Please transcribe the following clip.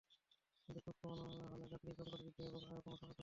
কিন্তু কোচ কমানো হলে যাত্রীর সংকট বৃদ্ধি এবং আয়ও কমার আশঙ্কা থাকে।